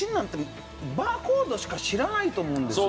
バーコードしか知らないと思うんですよ。